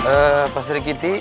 eh pak sri kiti